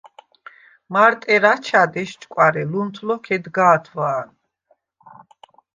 მარტ ერ აჩად, ესჭკვარე, ლუნთ ლოქ ედგა̄თვა̄ნ.